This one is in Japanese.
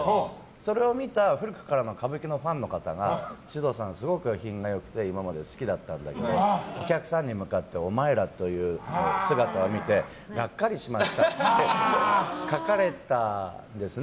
それを見た古くからの歌舞伎のファンの方が獅童さん、すごく品が良くて今まで好きだったんだけどお客さんに向かってお前らと言う姿を見てがっかりしましたと書かれたんですね。